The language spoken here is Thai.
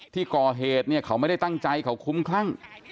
ที่ก่อเหตุเนี่ยเขาไม่ได้ตั้งใจเขาคุ้มคลั่ง